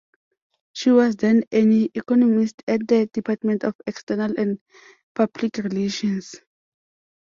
She was then an economist at the Department of External and Public Relations.